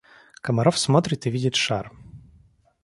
Комаров смотрит и видит шар.